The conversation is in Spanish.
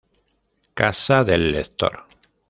Casa del Lector.